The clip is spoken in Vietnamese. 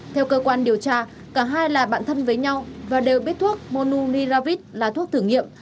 theo cơ quan điều tra cả hai là bạn thân với nhau và đều biết thuốc monu niravit là thuốc thử nghiệm